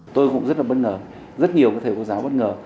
tôi cũng rất là bất ngờ rất nhiều thầy cô giáo bất ngờ